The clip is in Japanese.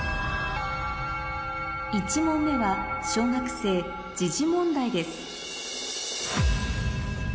１問目は小学生問題です